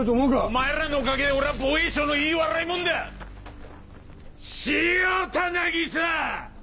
お前らのおかげで俺は防衛省のいい笑い物だ潮田渚！